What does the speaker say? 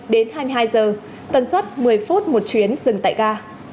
đến hai mươi hai giờ tần suất một mươi phút một chuyến dừng tại ga